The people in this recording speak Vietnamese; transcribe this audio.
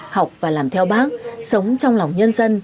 học và làm theo bác